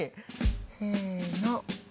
せの。